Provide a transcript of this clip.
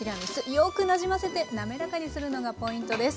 よくなじませて滑らかにするのがポイントです。